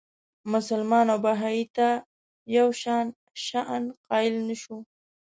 مسلمان او بهايي ته یو شان شأن قایل نه شو.